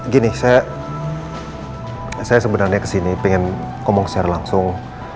gini saya sebenarnya kesini pengen ngomong secara langsung